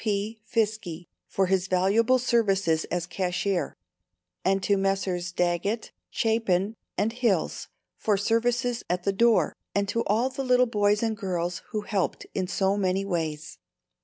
P. Fiske for his valuable services as cashier, and to Messrs. Daggett, Chapin and Hills for services at the door; and to all the little boys and girls who helped in so many ways.